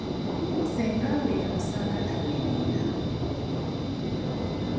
Ssenga we yamusanga ataweneena!